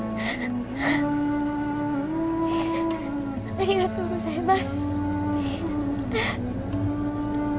ありがとうございます。